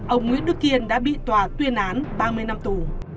ông nguyễn đức kiên đã bị tòa tuyên án ba mươi năm tù